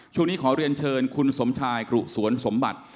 ขอเรียนเชิญคุณสมชายกรุสวนสมบัติ